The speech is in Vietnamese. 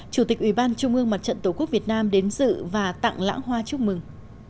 chủ tịch ủy ban trung ương mặt trận tổ quốc việt nam đến dự và tặng lãng hoa chúc mừng